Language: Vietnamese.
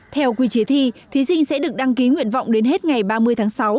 theo quy chế thi thí sinh sẽ được đăng ký nguyện vọng đến hết ngày ba mươi tháng sáu